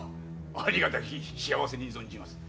ありがたき幸せに存じます。